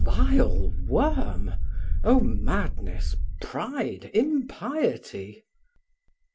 Vile worm!—Oh, madness! pride! impiety!